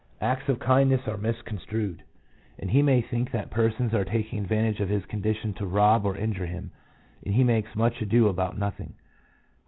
145 Acts of kindness are misconstrued, and he may think that persons are taking advantage of his condition to rob or injure him, and he makes "much ado about nothing."